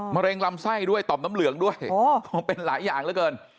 อ่ามะเร็งรำไส้ด้วยต่อมน้ำเหลืองด้วยโอ้มันเป็นหลายอย่างแล้วเกิน